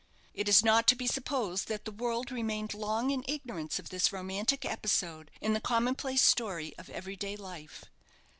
It is not to be supposed that the world remained long in ignorance of this romantic episode in the common place story of every day life.